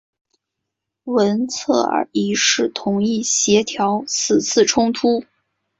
文策尔一世同意调停此次冲突。